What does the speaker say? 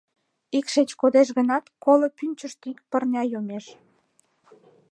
Ик шеч кодеш гынат, коло пӱнчыштӧ ик пырня йомеш.